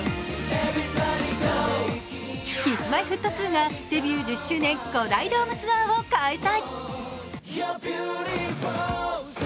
Ｋｉｓ−Ｍｙ−Ｆｔ２がデビュー１０周年５大ドームツアーを開催。